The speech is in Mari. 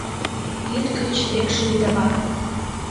Вӱд гыч лекше Вӱдава гай.